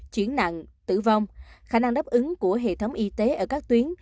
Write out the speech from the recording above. chuyển nặng tử vong khả năng đáp ứng của hệ thống y tế ở các tuyến